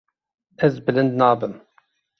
Ez bilind nabim.